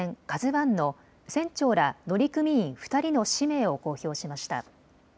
ＫＡＺＵわんの船長ら乗組員２人の氏名を公表しました。